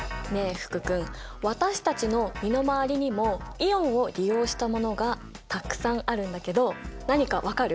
福君私たちの身の回りにもイオンを利用したものがたくさんあるんだけど何か分かる？